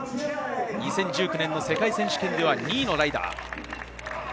２０１９年の世界選手権では２位のライダー。